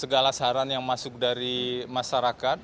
segala saran yang masuk dari masyarakat